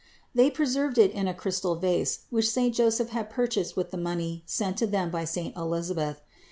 They pre served it in a crystal vase, which saint Joseph had pur chased with the money sent to them by saint Elisa beth.